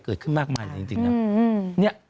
เกิดขึ้นมากมายจริงนะ